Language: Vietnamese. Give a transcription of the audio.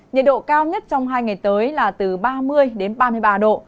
nhiệt độ cao nhất trong hai ngày tới là từ ba mươi đến ba mươi ba độ